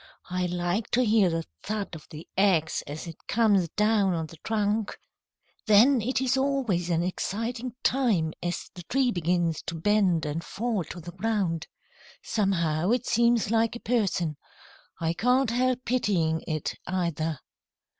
I like to hear the thud of the axe as it comes down on the trunk. Then it is always an exciting time as the tree begins to bend and fall to the ground. Somehow, it seems like a person. I can't help pitying it, either."